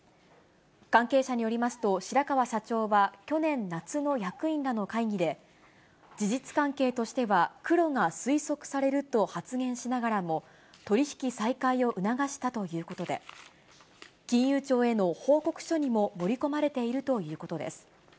関係者によりますと、白川社長は去年夏の役員らの会議で、事実関係としてはクロが推測されると発言しながらも、取り引き再開を促したということで、金融庁への報告書にも盛り込まれているということです。